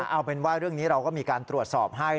เอาเป็นว่าเรื่องนี้เราก็มีการตรวจสอบให้